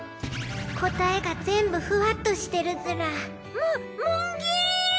答えが全部ふわっとしてるズラももんげ！